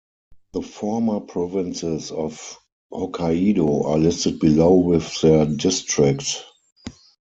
The former provinces of Hokkaido are listed below with their districts.